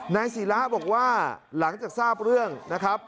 ศิระบอกว่าหลังจากทราบเรื่องนะครับ